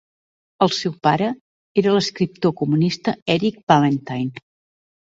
El seu pare era l'escriptor comunista Erich Vallentin.